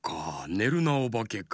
「ねるなおばけ」か。